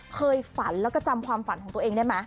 เคยฝันแล้วก็จำความฝันของตัวเองได้ไหม